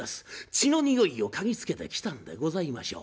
血のにおいを嗅ぎつけてきたんでございましょう。